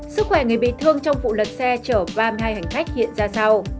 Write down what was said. sức khỏe người bị thương trong vụ lật xe chở ba mươi hai hành khách hiện ra sao